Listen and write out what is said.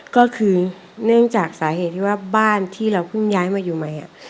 ก็คือเนื่องจากสาเหตุที่ว่าบ้านที่เราเพิ่งย้ายมาอยู่ใหม่